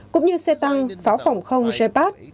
cũng như xe tăng pháo phòng không j pat